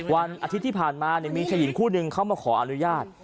วันอาทิตย์ที่ผ่านมามีชายหญิงคู่นึงเข้ามาขออนุญาต